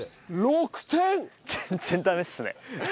全然だめっすね。